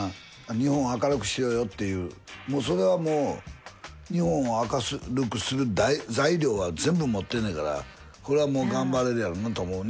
日本を明るくしようよっていうそれはもう日本を明るくする材料は全部持ってんねやからこれはもう頑張れるやろなと思うね。